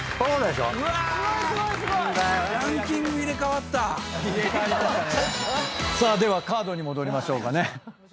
ではカードに戻りましょうかね。